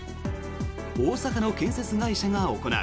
大阪の建設会社が行う。